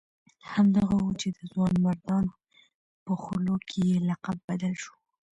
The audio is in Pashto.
همدغه وو چې د ځوانمردانو په خولو کې یې لقب بدل شو.